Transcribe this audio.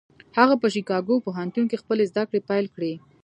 هغه په شيکاګو پوهنتون کې خپلې زدهکړې پيل کړې.